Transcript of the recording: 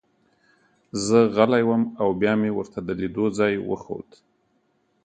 زه غلی وم او بیا مې ورته د لیدو ځای وښود